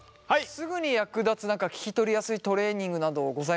すぐに役立つ聞き取りやすいトレーニングなどございますか？